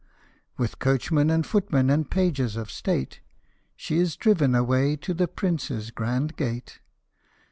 With coachman, and footmen, and pages of state, She is driven away to the Prince's grand gate.